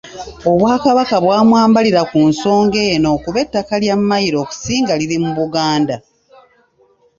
Obwakabaka bwa mwambalira ku nsonga eno kuba ettaka lya Mayiro okusinga liri mu Buganda.